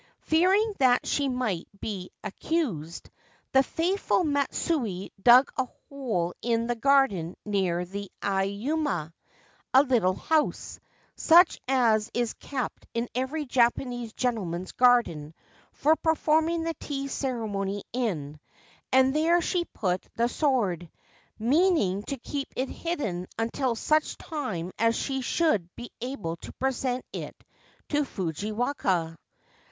Fearing that she might be accused, the faithful Matsue dug a hole in the garden near the ayumiya — a little house, such as is kept in every Japanese gentleman's garden for performing the Tea Ceremony in, — and there she put the sword, mean ing to keep it hidden until such time as she should be able to present it to Fujiwaka.